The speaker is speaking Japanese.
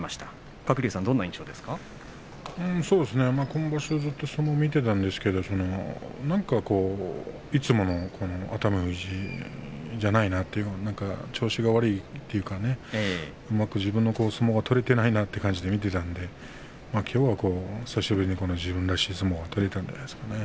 今場所ずっと相撲を見ていたんですけど何か、こういつもの熱海富士じゃないなと調子が悪いというかうまく自分の相撲が取れていないなという感じで見ていたのできょうは久しぶりに自分らしい相撲が取れたんじゃないですかね。